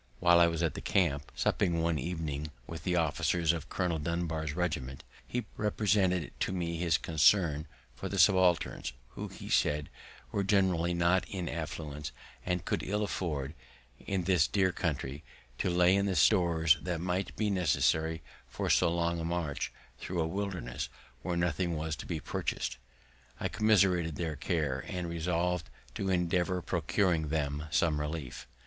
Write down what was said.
While I was at the camp, supping one evening with the officers of Colonel Dunbar's regiment, he represented to me his concern for the subalterns, who, he said, were generally not in affluence, and could ill afford, in this dear country, to lay in the stores that might be necessary in so long a march, thro' a wilderness, where nothing was to be purchas'd. I commiserated their case, and resolved to endeavour procuring them some relief.